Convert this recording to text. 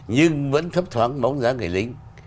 nhưng vẫn thấp thoáng bóng dáng người lính